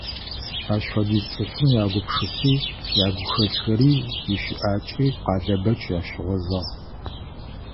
Ащ фэдиз цӀыфым ягупшыси, ягухэлъхэри, ящыӀакӀи Къалэбэч ащыгъозагъ.